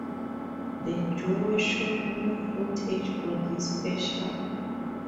The duo shot new footage for this special.